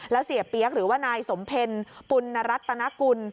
แล้วเสียเปี๊ยกหรือว่านายสมเพ็ญปุณรัตนกุล